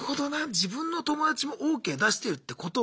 自分の友達もＯＫ出してるってことは。